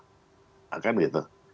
ya kan gitu